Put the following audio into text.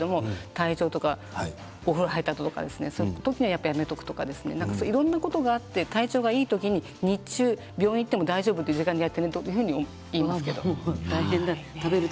お風呂入ったあととかそういう時はやめておくとかいろんなことがあって体調がいい時に日中、病院に行っても大丈夫という時間にやっていると思います。